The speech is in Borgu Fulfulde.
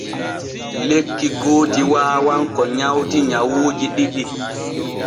Lekki gooti waawan ko nywati nyawuuji ɗiɗi.